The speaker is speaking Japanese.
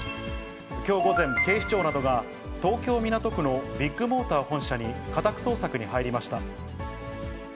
きょう午前、警視庁などが東京・港区のビッグモーター本社に、家宅捜索に入りました。